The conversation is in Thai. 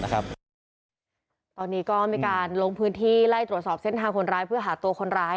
ตอนนี้ก็มีการลงพื้นที่ไล่ตรวจสอบเส้นทางคนร้ายเพื่อหาตัวคนร้าย